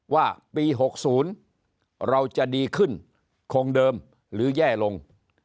ว่าปี๖๐เราจะดีขึ้นคงเดิมหรือแย่ลง